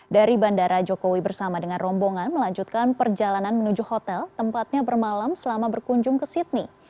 dari bandara jokowi bersama dengan rombongan melanjutkan perjalanan menuju hotel tempatnya bermalam selama berkunjung ke sydney